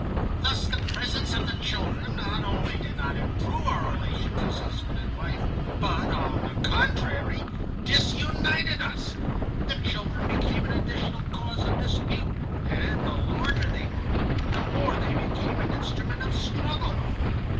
"Thus the presence of the children not only did not improve our relations as husband and wife, but, on the contrary, disunited us. The children became an additional cause of dispute, and the larger they grew, the more they became an instrument of struggle.